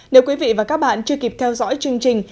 nếu quý vị và các bạn chưa kịp theo dõi chương trình